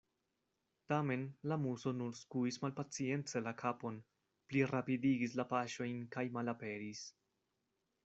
Tamen la Muso nur skuis malpacience la kapon, plirapidigis la paŝojn, kaj malaperis.